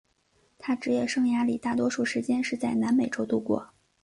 他职业生涯里大多数时间是在南美洲度过。